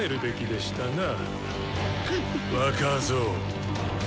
若造。